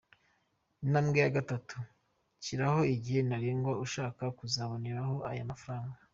Intambwe ya gatatu: Shyiraho igihe ntarengwa ushaka kuzaboneraho aya mafaranga.